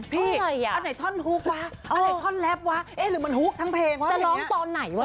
พี่อันไหนท่อนฮุกว่ะอันไหนท่อนแรปว่ะเอ๊ะหรือมันฮุกทั้งเพลงว่ะ